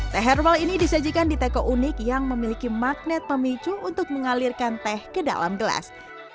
teh herbal ini disajikan di teko unik yang memiliki magnet pemicu untuk mengalirkan teh ke dalam gelas